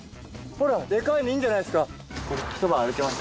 ほらでかいのいんじゃないっすか。